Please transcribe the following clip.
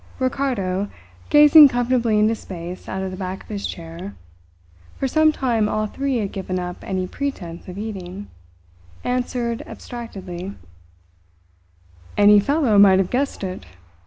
Ricardo, gazing comfortably into space out of the back of his chair for some time all three had given up any pretence of eating answered abstractedly: "Any fellow might have guessed it!"